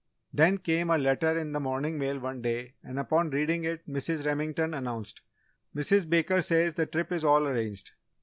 Then came a letter in the morning mail one day and upon reading it Mrs. Remington announced: "Mrs. Baker says the trip is all arranged.